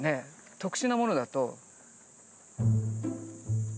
特殊なものだと。